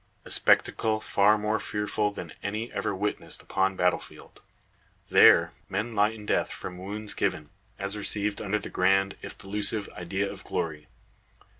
A spectacle far more fearful than any ever witnessed upon battle field. There men lie in death from wounds given, as received under the grand, if delusive, idea of glory.